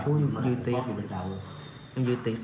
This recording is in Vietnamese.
em vui tiệc em vui tiệc